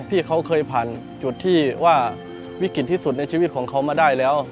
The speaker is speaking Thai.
ที่เขาเคยผ่านจุดที่ว่าวิกฤตที่สุดในชีวิตของเขามาได้แล้ว